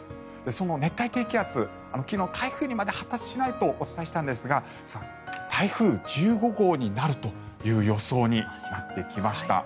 その熱帯低気圧昨日、台風にまで発達しないとお伝えしたんですが台風１５号になるという予想になってきました。